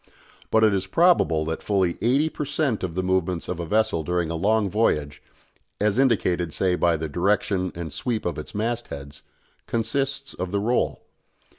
But it is probable that fully eighty per cent. of the movements of a vessel during a long voyage as indicated, say, by the direction and sweep of its mast heads consists of the roll.